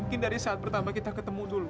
mungkin dari saat pertama kita ketemu dulu